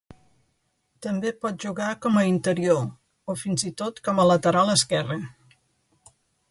També pot jugar com a interior, o fins i tot com a lateral esquerre.